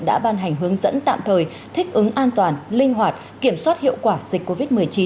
đã ban hành hướng dẫn tạm thời thích ứng an toàn linh hoạt kiểm soát hiệu quả dịch covid một mươi chín